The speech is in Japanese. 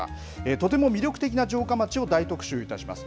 とても魅力的な城下町を大特集いたします。